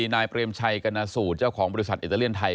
นายเปรมชัยกรณสูตรเจ้าของบริษัทอิตาเลียนไทย